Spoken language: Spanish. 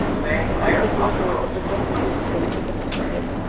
Ha ejercido como profesora de ciencias políticas y sociales.